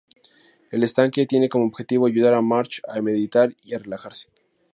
El estanque tiene como objetivo ayudar a Marge a meditar y a relajarse.